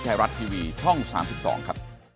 ไทยรัฐทีวีช่อง๓๒ครับ